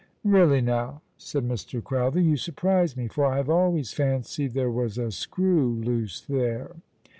"• Eeally, now," said Mr. Crowther, " you surprise me, for I have always fancied there was a screw loose there."